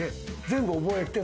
全部覚えて？